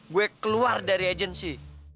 gue keluar dari agensi